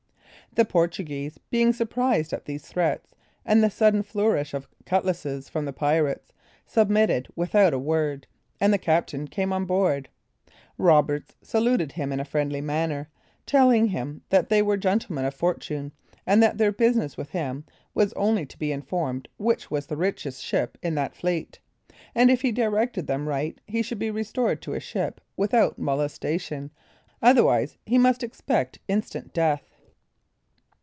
The Portuguese, being surprised at these threats, and the sudden flourish of cutlasses from the pirates, submitted without a word, and the captain came on board. Roberts saluted him in a friendly manner, telling him that they were gentlemen of fortune, and that their business with him was only to be informed which was the richest ship in that fleet; and if he directed them right, he should be restored to his ship without molestation, otherwise he must expect instant death.